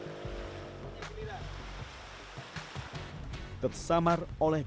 dengan hujan tidur terkenmakan dan marah terberkati